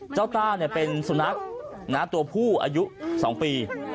ต้าเป็นสุนัขตัวผู้อายุ๒ปี